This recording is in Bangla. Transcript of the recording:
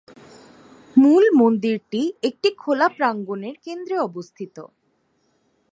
মূল মন্দিরটি একটি খোলা প্রাঙ্গণের কেন্দ্রে অবস্থিত।